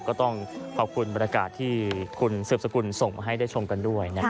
ก็ต้องขอบคุณบรรยากาศที่คุณสืบสกุลส่งมาให้ได้ชมกันด้วยนะครับ